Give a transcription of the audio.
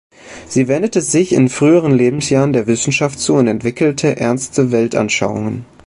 Sie wendete sich in frühen Lebensjahren der Wissenschaft zu und entwickelte ernste Weltanschauungen.